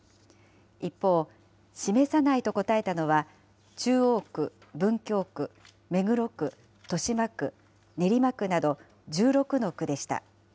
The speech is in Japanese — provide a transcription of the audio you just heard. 一方、示さないと答えたのは、中央区、文京区、目黒区、豊島区、練馬区など１６の区でした。